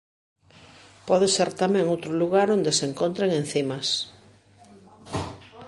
Pode ser tamén outro lugar onde se encontran encimas.